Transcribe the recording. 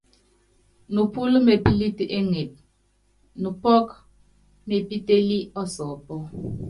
Nupɔ́l mepúlít éŋep, nupɔ́k mepítélí ɔsɔɔpɔ.